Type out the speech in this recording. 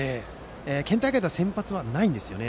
県大会で先発はないんですよね。